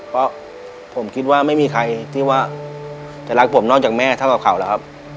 เพราะผมคิดว่าไม่มีใครที่ว่าจะรักผมนอกจากแม่เท่ากับเขาแล้วครับ